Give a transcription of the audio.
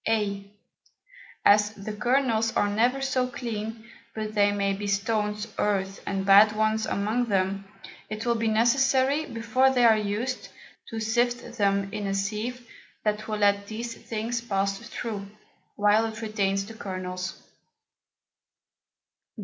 [a] As the Kernels are never so clean, but there may be Stones, Earth, and bad ones among them; it will be necessary, before they are used, to sift them in a Sieve that will let these things pass through, while it retains the Kernels.